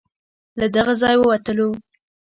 له دغه ځای ووتلو.